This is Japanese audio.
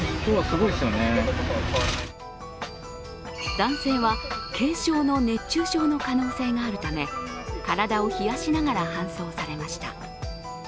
男性は軽症の熱中症の可能性があるため、体を冷やしながら搬送されました。